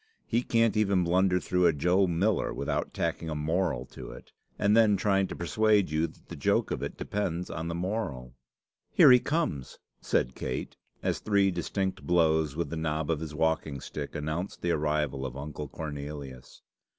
He cant even blunder through a Joe Miller without tacking a moral to it, and then trying to persuade you that the joke of it depends on the moral." "Here he comes!" said Kate, as three distinct blows with the knob of his walking stick announced the arrival of Uncle Cornelius.